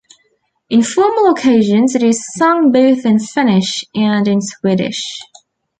In formal occasions it is sung both in Finnish and in Swedish.